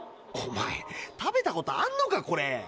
おまえ食べたことあんのか？